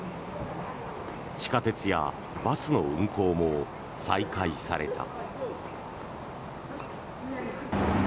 地下鉄やバスの運行も再開された。